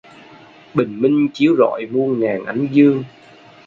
Bình minh chiếu rọi muôn ngàn ánh dương